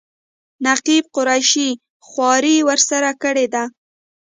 نقیب قریشي خواري ورسره کړې ده.